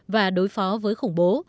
và đối phó với khủng bố